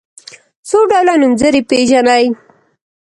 څو ډوله نومځري پيژنئ.